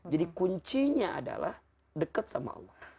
jadi kuncinya adalah dekat sama allah